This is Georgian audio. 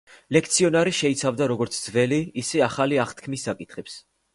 ლექციონარი შეიცავდა როგორც ძველი, ისე ახალი აღთქმის საკითხავებს.